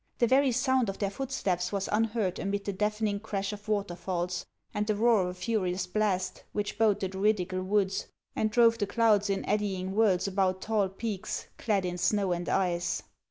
The very sound of their footsteps was unheard amid the deaf ening crash of waterfalls and the roar of a furious blast which bowed the Druidical woods, and drove the clouds in eddying whirls about tall peaks clad in snow and ice.